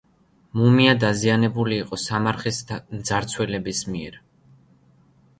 მუმია დაზიანებული იყო სამარხის მძარცველების მიერ.